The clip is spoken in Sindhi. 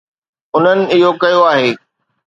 انهن اهو ڪيو آهي.